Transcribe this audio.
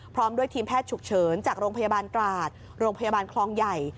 พร้อมด้วยทีมแพทย์ฉุกเฉินจากโรงพยาบาลตราดโรงพยาบาลคลองใหญ่